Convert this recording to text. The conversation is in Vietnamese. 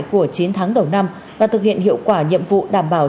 của chín tháng đầu năm và thực hiện hiệu quả nhiệm vụ đảm bảo